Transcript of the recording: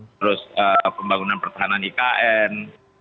terus pembangunan pertahanan ikn